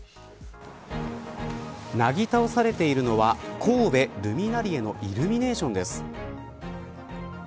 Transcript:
なぎ倒されているのは神戸ルミナリエのイルミネーションです。